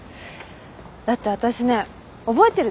だって私ね覚えてるでしょ？